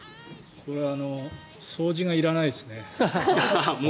これは掃除がいらないですね。